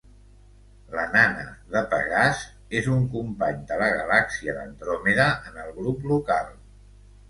La Nana de Pegàs és un company de la Galàxia d'Andròmeda en el Grup Local.